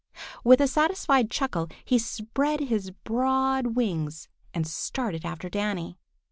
With a satisfied chuckle, he spread his broad wings and started after Danny.